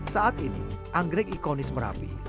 saat ini anggrek ikonis merapi seperti fanda tengah